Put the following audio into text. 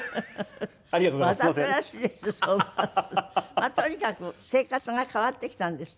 まあとにかく生活が変わってきたんですって？